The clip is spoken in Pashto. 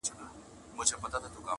هغه وايي دلته هر څه بدل سوي او سخت دي,